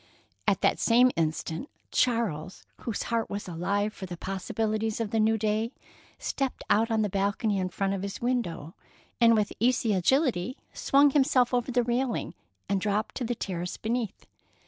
At that same instant, Charles, whose heart was alive for the possibilities of the new day, stepped out on the balcony in front of his window, and with easy agility swung himself over the railing and dropped to the terrace beneath.